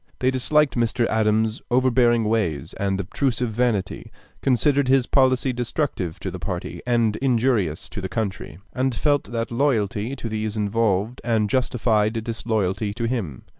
They disliked Mr. Adams's overbearing ways and obtrusive vanity, considered his policy destructive to the party and injurious to the country, and felt that loyalty to these involved and justified disloyalty to him.